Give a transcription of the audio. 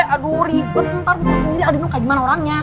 aduh ribet bentar gue tau sendiri aldino kayak gimana orangnya